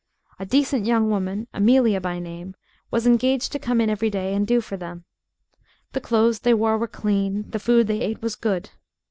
A decent young woman Amelia by name was engaged to come in every day and "do for" them. The clothes they wore were clean; the food they ate was good.